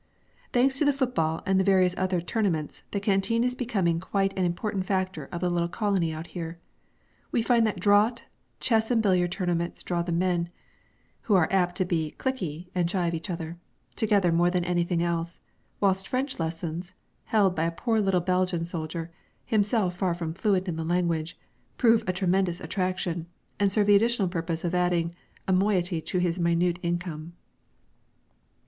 Thanks to the football and the various other "tournaments," the canteen is becoming quite an important factor of the little colony out here. We find that draught, chess and billiard tournaments draw the men (who are apt to be "cliquy" and shy of each other) together more than anything else, whilst French lessons held by a poor little Belgian soldier, himself far from fluent in the language prove a tremendous attraction, and serve the additional purpose of adding a moiety to his minute income.